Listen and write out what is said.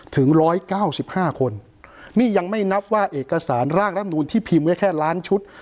ถึงร้อยเก้าสิบห้าคนนี่ยังไม่นับว่าเอกสารรากและมนุนที่พิมพ์ไว้แค่ล้านชุด